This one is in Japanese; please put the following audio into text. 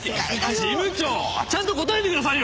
事務長ちゃんと答えてくださいよ！